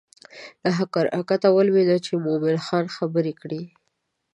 له حرکته ولوېدله چې مومن خان خبر کړي.